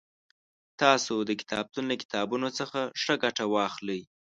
تاسو د کتابتون له کتابونو څخه ښه ګټه واخلئ